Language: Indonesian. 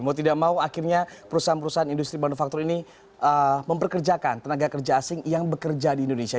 mau tidak mau akhirnya perusahaan perusahaan industri manufaktur ini memperkerjakan tenaga kerja asing yang bekerja di indonesia